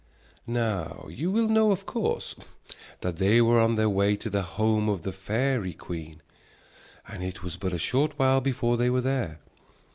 Now you will know of course that they were on their way to the home of the fairy queen. And it was but a short while before they were there.